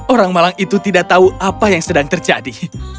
orang malang itu tidak tahu apa yang sedang terjadi